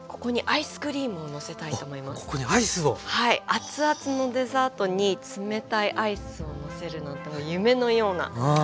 熱々のデザートに冷たいアイスをのせるのって夢のようなはい。